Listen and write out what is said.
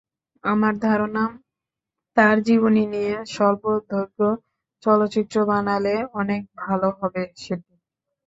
আমার ধারণা, তাঁর জীবনী নিয়ে স্বল্পদৈর্ঘ্য চলচ্চিত্র বানালে অনেক ভালো হবে সেটি।